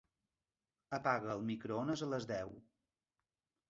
Apaga el microones a les deu.